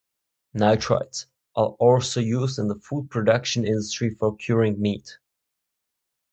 Nitrites are also used in the food production industry for curing meat.